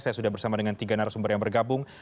saya sudah bersama dengan tiga narasumber yang bergabung